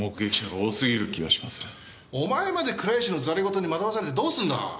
お前まで倉石のざれ言に惑わされてどうすんだ。